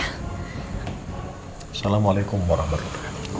assalamualaikum warahmatullahi wabarakatuh